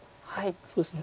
そうですね